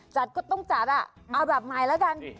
จัดก็ต้องจัดอ่ะเอาแบบใหม่แล้วกัน